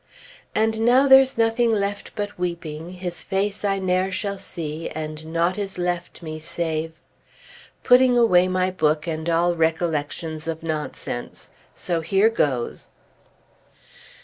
"And now there's nothing left but weeping! His face I ne'er shall see, and naught is left to me, save" putting away my book and all recollections of nonsense. So here goes!